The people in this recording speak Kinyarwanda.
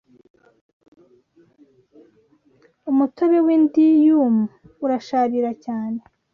Umutobe w’ indium urasharira cyane